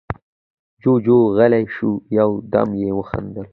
جُوجُو غلی شو، يو دم يې وخندل: